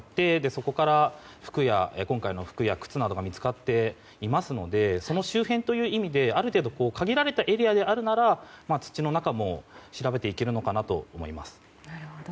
そこから今回の服や靴などが見つかっていますのでその周辺という意味である程度、限られたエリアであるなら、土の中も調べていけるのかなと思います。